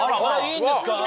いいんですか？